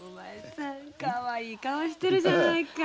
かわいい顔してるじゃないか。